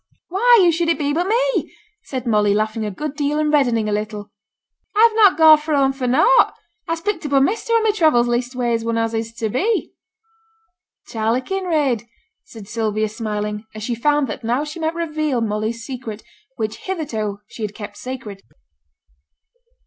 'Why! who should it be but me?' said Molly, laughing a good deal, and reddening a little. 'I've not gone fra' home for nought; I'se picked up a measter on my travels, leastways one as is to be.' 'Charley Kinraid,' said Sylvia smiling, as she found that now she might reveal Molly's secret, which hitherto she had kept sacred.